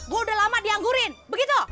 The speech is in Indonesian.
gue udah lama dianggurin begitu